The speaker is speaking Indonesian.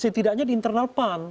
setidaknya di internal part